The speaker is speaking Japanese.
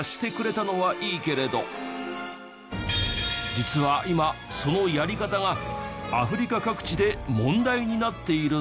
実は今そのやり方がアフリカ各地で問題になっているんです。